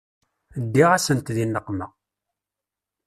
Ddiɣ-asent di nneqma.